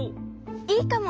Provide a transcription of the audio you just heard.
いいかも！